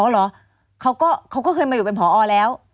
เหรอเขาก็เคยมาอยู่เป็นผอแล้ว